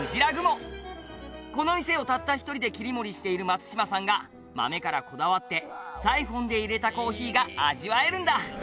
「この店をたった１人で切り盛りしている松島さんが豆からこだわってサイホンでいれたコーヒーが味わえるんだ」